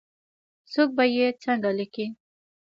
څوک به یې څنګه لیکي ؟